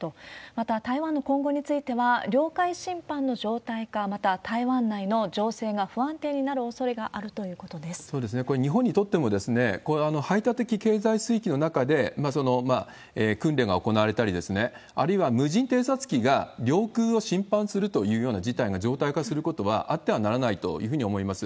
また、台湾の今後については、領海侵犯の常態化、また、台湾内の情勢が不安定になるおそれがあこれ、日本にとっても排他的経済水域の中で訓練が行われたり、あるいは無人偵察機が領空を侵犯するというような事態が常態化するということは、あってはならないというふうに思います。